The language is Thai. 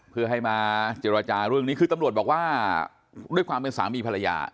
เพื่อให้มาเจรจาเรื่องนี้คือตำรวจบอกว่าด้วยความเป็นสามีภรรยา